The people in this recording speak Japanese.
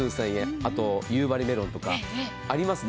あと、夕張メロンとかありますね。